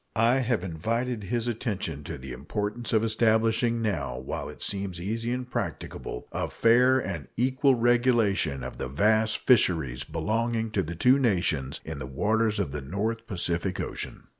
I have invited his attention to the importance of establishing, now while it seems easy and practicable, a fair and equal regulation of the vast fisheries belonging to the two nations in the waters of the North Pacific Ocean.